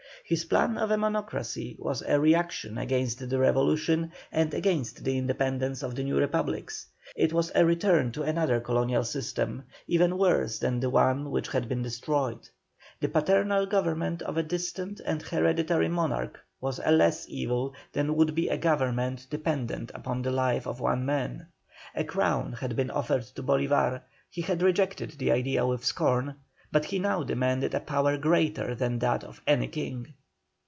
His plan of a Monocracy was a reaction against the Revolution and against the independence of the new Republics; it was a return to another colonial system, even worse than the one which had been destroyed. The paternal government of a distant and hereditary monarch was a less evil than would be a government dependent upon the life of one man. A crown had been offered to Bolívar, he had rejected the idea with scorn, but he now demanded a power greater than that of any king.